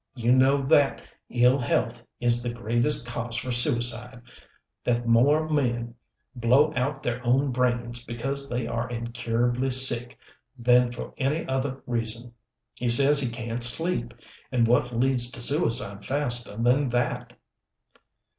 You know that ill health is the greatest cause for suicide that more men blow out their own brains because they are incurably sick than for any other reason. He says he can't sleep. And what leads to suicide faster than that!"